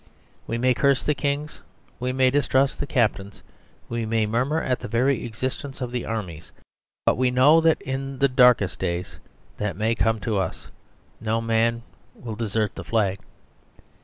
We may curse the kings, we may distrust the captains, we may murmur at the very existence of the ar mies; but we know that in the darkest days that may come to us, no man will desert the flag.